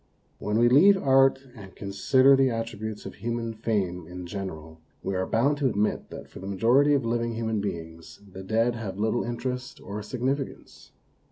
When we leave art and consider the attri butes of human fame in general, we are bound to admit that for the majority of living human beings the dead have little interest or significance.